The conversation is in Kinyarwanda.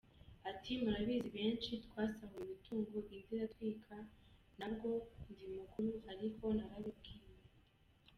Ati “Murabizi benshi twasahuwe imitungo, indi iratwikwa, ntabwo ndi mukuru ariko narabibwiwe.